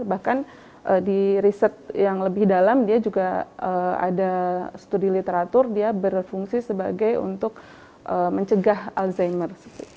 bahkan di riset yang lebih dalam dia juga ada studi literatur dia berfungsi sebagai untuk mencegah alzheimer